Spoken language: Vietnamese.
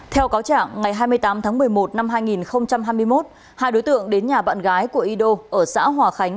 theo cáo trạng ngày hai mươi tám tháng một mươi một năm hai nghìn hai mươi một hai đối tượng đến nhà bạn gái của y đô ở xã hòa khánh